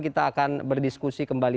kita akan berdiskusi kembali